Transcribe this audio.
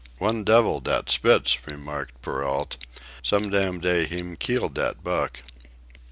"One devil, dat Spitz," remarked Perrault. "Some dam day heem keel dat Buck."